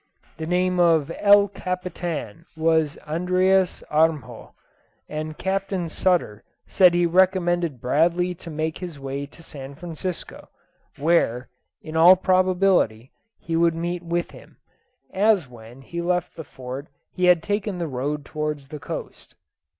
The name of El Capitan was Andreas Armjo; and Captain Sutter said he recommended Bradley to make his way to San Francisco, where, in all probability, he would meet with him, as when he left the Fort he had taken the road towards the coast.